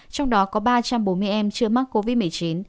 trong đó có ba trăm bốn mươi em chưa mắc covid một mươi chín